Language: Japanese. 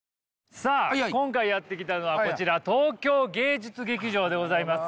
さあ今回やって来たのはこちら東京芸術劇場でございます。